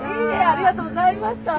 あありがとうございました。